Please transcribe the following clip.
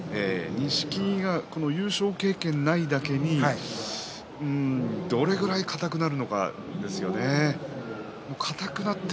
錦木は優勝経験がないだけにどれぐらい硬くなるのかですよね。